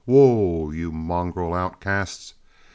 Whoa, you mongrel outcasts!